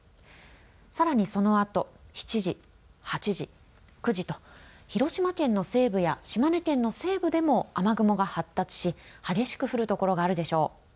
さらにそのあと７時、８時、９時と広島県の西部や島根県の西部でも雨雲が発達し激しく降るところがあるでしょう。